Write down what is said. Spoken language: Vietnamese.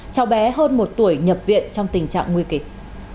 cháu bé hơn một tuổi nhập viện trong tình trạng nguy kịch